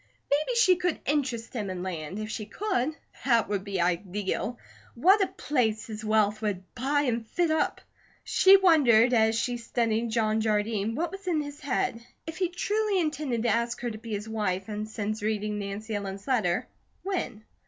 Maybe she could interest him in land; if she could, that would be ideal. What a place his wealth would buy and fit up. She wondered as she studied John Jardine, what was in his head; if he truly intended to ask her to be his wife, and since reading Nancy Ellen's letter, when?